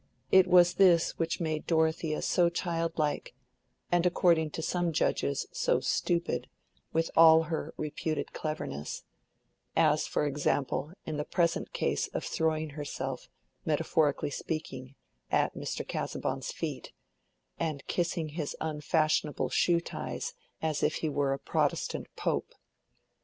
It was this which made Dorothea so childlike, and, according to some judges, so stupid, with all her reputed cleverness; as, for example, in the present case of throwing herself, metaphorically speaking, at Mr. Casaubon's feet, and kissing his unfashionable shoe ties as if he were a Protestant Pope.